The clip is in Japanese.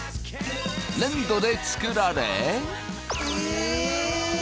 粘土で作られ。え！